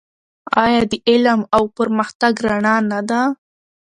آیا د علم او پرمختګ رڼا نه ده؟